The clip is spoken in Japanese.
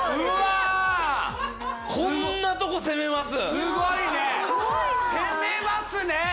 すごいね！